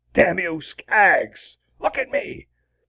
damn you, Skaggs! Look at me!